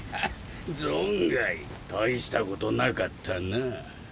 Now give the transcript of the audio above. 存外大したことなかったなぁ。